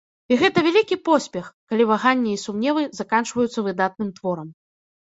І гэта вялікі поспех, калі ваганні і сумневы заканчваюцца выдатным творам.